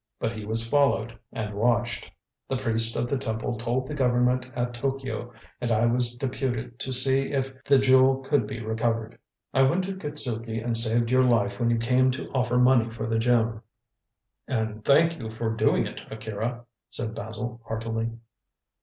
But he was followed and watched. The priests of the temple told the Government at Tokio, and I was deputed to see if the Jewel could be recovered. I went to Kitzuki and saved your life when you came to offer money for the gem." "And thank you for doing it, Akira," said Basil heartily.